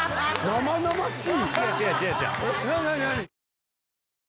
生々しい！